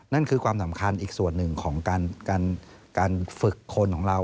นั่นคือความสำคัญอีกส่วนหนึ่งของการฝึกคนของเรา